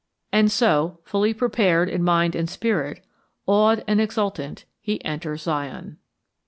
And so, fully prepared in mind and spirit, awed and exultant, he enters Zion.